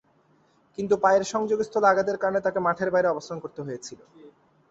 কিন্তু, পায়ের সংযোগস্থলে আঘাতের কারণে তাকে মাঠের বাইরে অবস্থান করতে হয়েছিল।